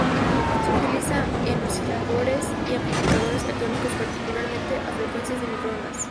Se utiliza en osciladores y amplificadores electrónicos, particularmente a frecuencias de microondas.